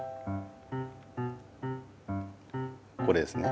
これですね。